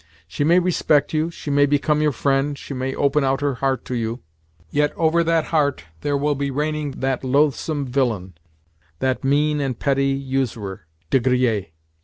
She may respect you, she may become your friend, she may open out her heart to you; yet over that heart there will be reigning that loathsome villain, that mean and petty usurer, De Griers.